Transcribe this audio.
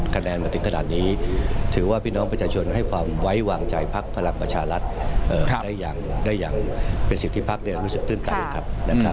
คะแนนมาถึงขนาดนี้ถือว่าพี่น้องประชาชนให้ความไว้วางใจพักพลังประชารัฐได้อย่างเป็นสิทธิพักรู้สึกตื้นตันครับ